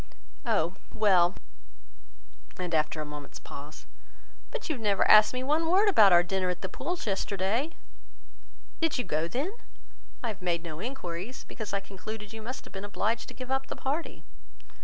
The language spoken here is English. "Oh! well!" and after a moment's pause, "but you have never asked me one word about our dinner at the Pooles yesterday." "Did you go then? I have made no enquiries, because I concluded you must have been obliged to give up the party."